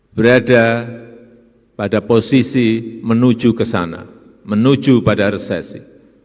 berada pada posisi menuju ke sana menuju pada resesi